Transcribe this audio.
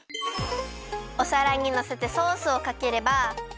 おさらにのせてソースをかければ。